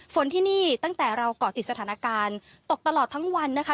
ฝนที่นี่ตั้งแต่เราเกาะติดสถานการณ์ตกตลอดทั้งวันนะคะ